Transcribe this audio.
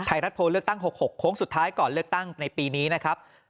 ไทยรัฐโพลเลือกตั้ง๖๖โค้งสุดท้ายก่อนเลือกตั้งในปีนี้นะครับ